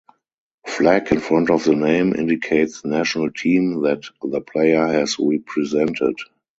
Flag in front of the name indicates national team that the player has represented.